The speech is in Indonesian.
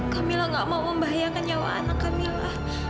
kamila gak mau membahayakan nyawa anak kamila